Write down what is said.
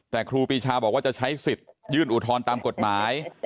แต่ครูปีชาบอกว่าจะใช้สิทธิ์ยื่นอุทธรณ์ตามกฎหมาย